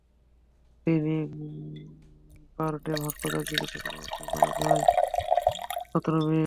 তিনি বারডেম হাসপাতালে চিকিৎসাধীন অবস্থায় মারা যাওয়া সিরাজুল ইসলামের একমাত্র মেয়ে।